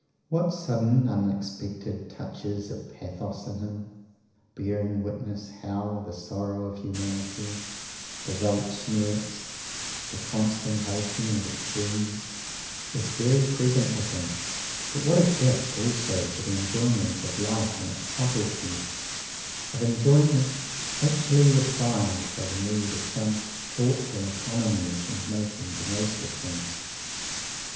What sudden, unexpected touches of pathos in him! bearing witness how the sorrow of humanity, the Weltschmerz, the constant aching of its wounds, is ever present with him: but what a gift also for the enjoyment of life in its subtleties, of enjoyment actually refined by the need of some thoughtful economies and making the most of things!